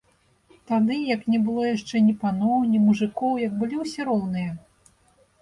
Тады, як не было яшчэ ні паноў, ні мужыкоў, як былі ўсе роўныя.